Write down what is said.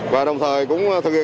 và đồng thời cũng thực hiện